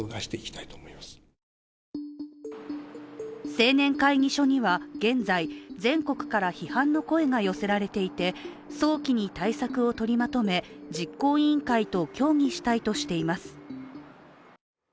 青年会議所には現在、全国から批判の声が寄せられていて、早期に対策を取りまとめ、実行委員会と協議したいとしています。